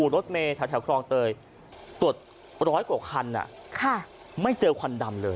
รถเมย์แถวครองเตยตรวจร้อยกว่าคันไม่เจอควันดำเลย